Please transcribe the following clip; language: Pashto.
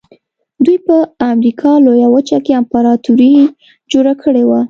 دوی په امریکا لویه وچه کې امپراتوري جوړه کړې وه.